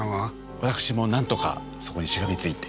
私も何とかそこにしがみついて。